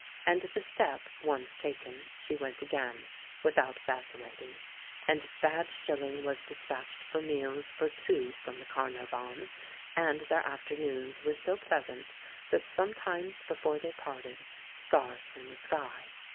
And the step, once taken, she went again — without vacillating. And Bad Shil 118 THE MAN WHO UNDERSTOOD WOMEN ling was despatched for meals for two from the Carnarvon; and their afternoons were so pleas ant that sometimes before they parted, stars were in the sky.